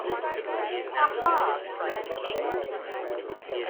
“Ha, ha!” cried the King.